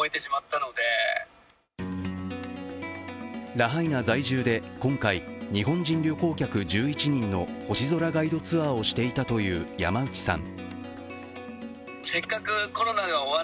ラハイナ在住で、今回、日本人旅行客１１人の星空ガイドツアーをしていたという山内さん。